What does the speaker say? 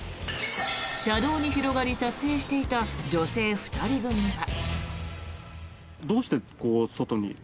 車道に広がり撮影していた女性２人組は。